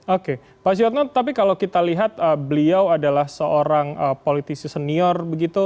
oke pak suyotno tapi kalau kita lihat beliau adalah seorang politisi senior begitu